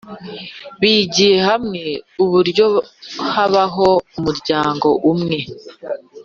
Bigiye hamwe uburyo habaho umuryango umwe